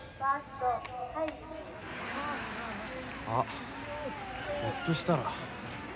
あひょっとしたら。